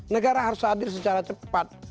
negara harus hadir secara cepat